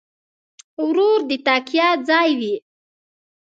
ورور د تکیه ځای وي.